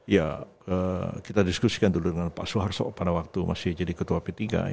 ya kita diskusikan dulu dengan pak soeharto pada waktu masih jadi ketua p tiga